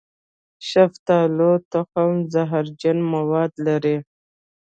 د شفتالو تخم زهرجن مواد لري.